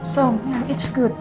jadi ya itu bagus